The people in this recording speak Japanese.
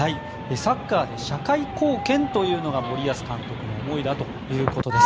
サッカーで社会貢献というのが森保監督の思いだということです。